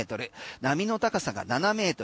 波の高さが７ｍ。